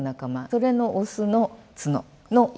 それのオスの角の片っぽ。